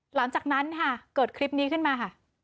หลังจากนั้นค่ะเกิดคลิปนี้ขึ้นมาค่ะ